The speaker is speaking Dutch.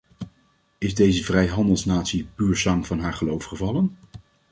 Is deze vrijhandelsnatie pur sang van haar geloof gevallen?